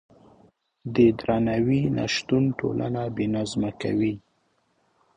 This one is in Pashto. د درناوي نشتون ټولنه بې نظمه کوي.